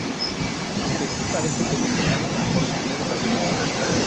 Aunque sí parece que no hizo nada por detener esta violencia.